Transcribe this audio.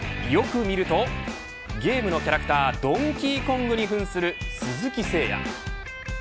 よく見るとゲームのキャラクタードンキーコングに扮する鈴木誠也。